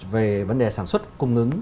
về vấn đề sản xuất cung ứng